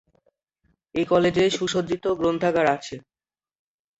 এ কলেজে সুসজ্জিত গ্রন্থাগার আছে।